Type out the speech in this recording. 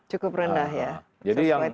cukup rendah ya sesuai target lah